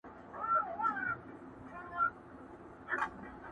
عبدالباري حهاني٫